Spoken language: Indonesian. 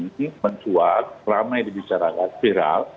ini mencuat ramai dibicarakan viral